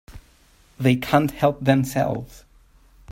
They can't help themselves.